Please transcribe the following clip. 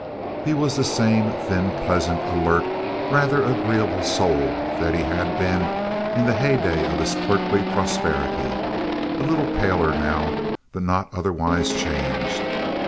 He was the same thin, pleasant, alert, rather agreeable soul that he had been in the heyday of his clerkly prosperity—a little paler now, but not otherwise changed.